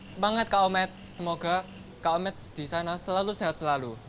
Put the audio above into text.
semangat kak omet semoga kak omets di sana selalu sehat selalu